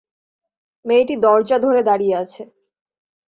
মেয়েটি দরজা ধরে দাঁড়িয়ে আছে।